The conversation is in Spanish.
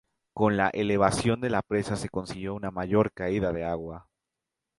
Con la elevación de la presa se consiguió una mayor caída de agua.